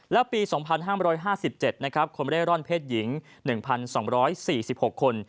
และปี๒๕๕๗นะครับคนเร่ร่อนเพศหญิง๑๒๔๖คน